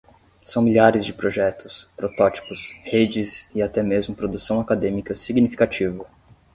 São milhares de projetos, protótipos, redes e até mesmo produção acadêmica significativa.